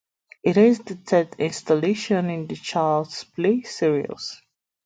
It is the third installment in the "Child's Play" series.